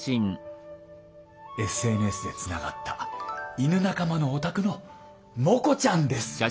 ＳＮＳでつながった犬仲間のお宅のモコちゃんです。